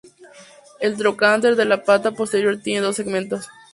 El trocánter de la pata posterior tiene dos segmentos.